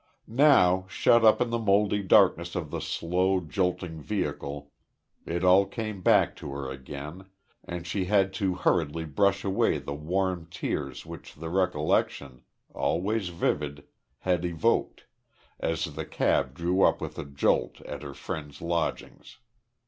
Now, shut up in the mouldy darkness of the slow, Jolting vehicle, it all came back to her again, and she had to hurriedly brush away the warm tears which the recollection always vivid had evoked, as the cab drew up with a jolt at her friend's lodgings.